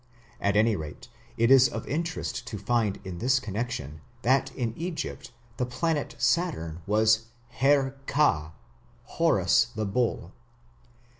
At any rate, it is of interest to find in this connection that in Egypt the planet Saturn was Her Ka, "Horus the Bull".